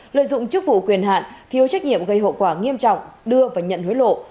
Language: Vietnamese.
lợi dụng chức vụ quyền hạn thiếu trách nhiệm gây hậu quả nghiêm trọng đưa và nhận hối lộ